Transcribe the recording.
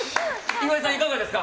岩井さん、いかがですか？